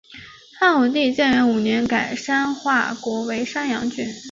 汉武帝建元五年改山划国为山阳郡。